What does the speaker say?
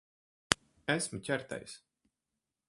Esmu ķertais.